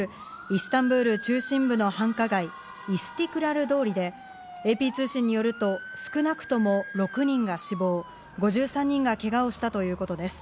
イスタンブール中心部の繁華街、イスティクラル通りで、ＡＰ通信によると、少なくとも６人が死亡、５３人がけがをしたということです。